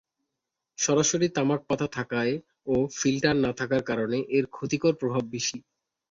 সরাসরি তামাক পাতা থাকায় ও ফিল্টার না থাকার কারণে এর ক্ষতিকর প্রভাব বেশি।